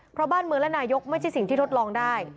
เพราะบ้านเมืองและนายกไม่ใช่สิ่งที่ทดลองได้